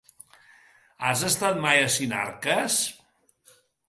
Has estat mai a Sinarques?